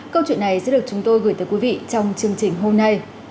câu chuyện này sẽ được chúng tôi gửi tới quý vị trong chương trình hôm nay